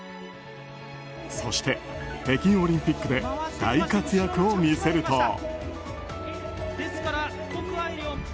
そして北京オリンピックで大活躍を見せると。